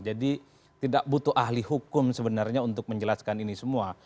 tidak butuh ahli hukum sebenarnya untuk menjelaskan ini semua